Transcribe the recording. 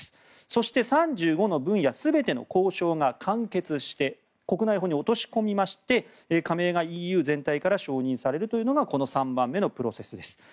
そして、３５の分野全ての交渉が完結して国内法に落とし込みまして加盟がＥＵ全体から承認されるというのがこの３番目のプロセスです。